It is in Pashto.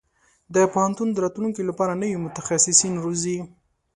پوهنتون د راتلونکي لپاره نوي متخصصين روزي.